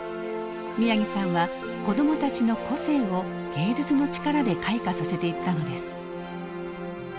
宮城さんは子どもたちの個性を芸術の力で開花させていったのです。